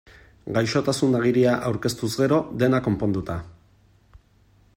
Gaixotasun-agiria aurkeztuz gero, dena konponduta.